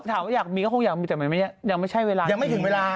ถามว่าก็คงอยากมีแต่ไม่มียังไม่ถึงเวลา